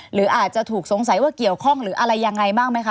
หรืออาจจะถูกสงสัยว่าเกี่ยวข้องหรืออะไรยังไงบ้างไหมคะ